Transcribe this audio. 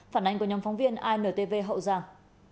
phản ánh của nhóm phóng viên antv hậu giang